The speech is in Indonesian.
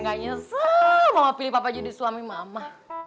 gak nyesel mama pilih papa jadi suami mama